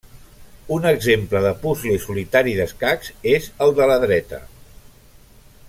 Un exemple de puzle solitari d'escacs és el de la dreta.